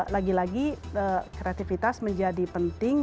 lagi lagi kreatifitas menjadi penting